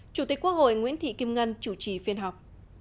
chủ tịch quốc hội nguyễn thị kim ngân chủ trì phiên họp